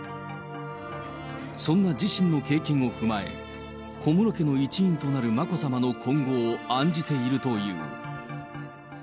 そんな自身の経験を踏まえ、小室家の一員となる眞子さまの今後を案じているという。